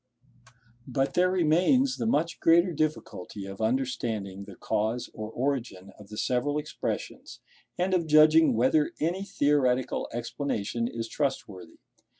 But there remains the much greater difficulty of understanding the cause or origin of the several expressions, and of judging whether any theoretical explanation is trustworthy.